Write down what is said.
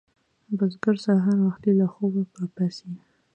بزګر سهار وختي له خوبه راپاڅي